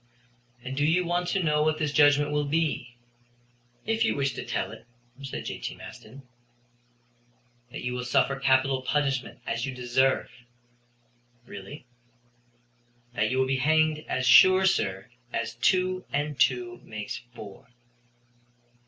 "And do you want to know what this judgment will be?" "If you wish to tell it," said J.T. Maston. "That you will suffer capital punishment, as you deserve." "Really?" "That you will be hanged as sure, sir, as two and two make four."